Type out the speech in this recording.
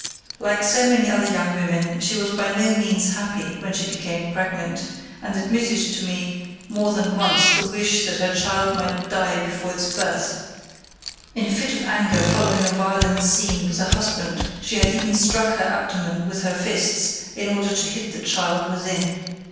Like so many other young women, she was by no means happy when she became pregnant, and admitted to me more than once the wish that her child might die before its birth; in a fit of anger following a violent scene with her husband she had even struck her abdomen with her fists in order to hit the child within.